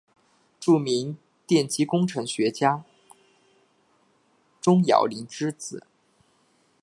著名电机工程学家钟兆琳之子。